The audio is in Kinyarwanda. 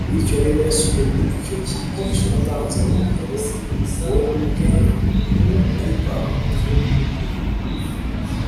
bityo rero yasubiye muri icyo cyigisho atanze urugero we ubwe uib